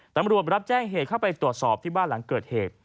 ตำรวจรับแจ้งเหตุเข้าไปตรวจสอบที่บ้านหลังเกิดเหตุ